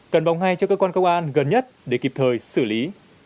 cần bóng hay cho cơ quan công an gần nhất để kịp thời xử lý